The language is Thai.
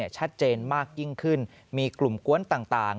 ชัดเจนมากยิ่งขึ้นมีกลุ่มกวนต่าง